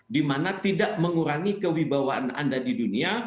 di mana tidak mengurangi kewibawaan anda di dunia